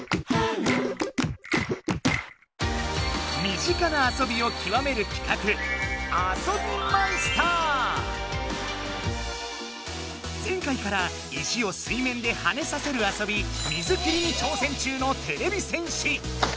身近なあそびを極める企画前回から石を水面ではねさせるあそび「水切り」に挑戦中のてれび戦士。